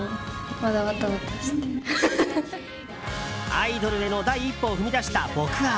アイドルへの第一歩を踏み出した、僕青。